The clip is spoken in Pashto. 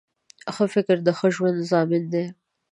ښه فکر د ښه ژوند ضامن دی